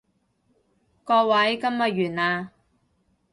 各位，今日完啦